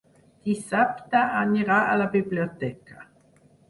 Dissabte anirà a la biblioteca.